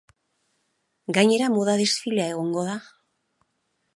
Gainera, moda-desfilea egongo da.